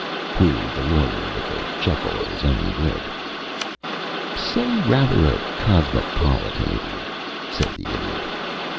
queried the Lawyer, with a chuckle at his own wit. "Say rather a cosmopolitan Idiot," said the Idiot.